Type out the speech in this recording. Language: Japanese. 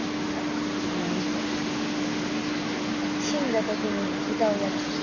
死んだ時に歌うやつ。